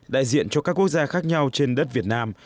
đại diện cho các quốc gia khác nhau trên đất việt nam